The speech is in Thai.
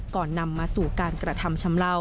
นำมาสู่การกระทำชำเลา